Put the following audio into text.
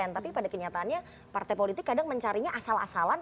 tapi pada kenyataannya partai politik kadang mencarinya asal asalan